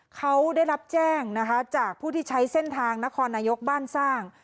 เขาได้รับแจ้งนะคะจากผู้ที่ใช้เส้นทางนครนายกบ้านสร้าง